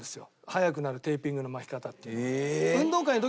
速くなるテーピングの巻き方っていうのが。